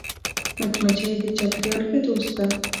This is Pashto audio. مچمچۍ د چاپېریال ښه دوست ده